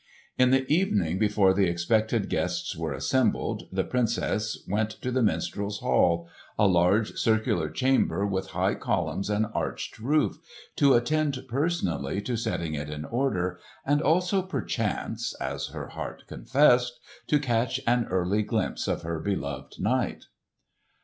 In the evening, before the expected guests were assembled, the Princess went to the Minstrels' Hall—a large circular chamber with high columns and arched roof—to attend personally to setting it in order, and also perchance, as her heart confessed, to catch an early glimpse of her beloved knight.